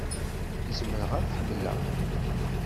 Zemreɣ ad ḥemmleɣ.